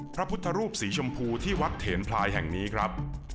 พระพุทธรูปสีชมพูที่วัดเถนพลายแห่งนี้ครับ